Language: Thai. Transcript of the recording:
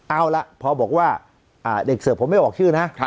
เอาล่ะพอบอกว่าเด็กเสิร์ฟผมไม่ออกชื่อนะ